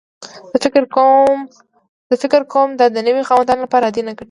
زه فکر کوم ته دا د نوي خاوندانو لپاره عادي نه ګڼې